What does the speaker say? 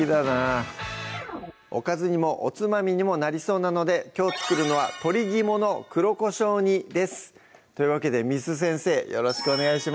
おかずにもおつまみにもなりそうなのできょう作るのは「鶏肝の黒こしょう煮」ですというわけで簾先生よろしくお願いします